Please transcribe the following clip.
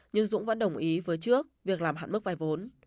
nhưng dũng vẫn đồng ý với trước việc làm hạn mức vay vốn